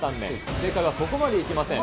正解はそこまでいきません。